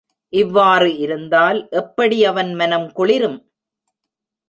இவ்வாறு இருந்தால் எப்படி அவன் மனம் குளிரும்?